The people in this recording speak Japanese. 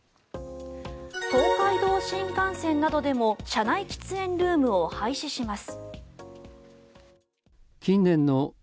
東海道新幹線などでも車内喫煙ルームを廃止します。